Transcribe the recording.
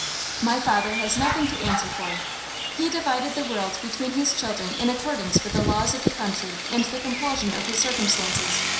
My father has nothing to answer for. He divided the world between his children in accordance with the laws of the country and the compulsion of his circumstances.